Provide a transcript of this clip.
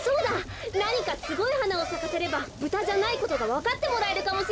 なにかすごいはなをさかせればブタじゃないことがわかってもらえるかもしれません。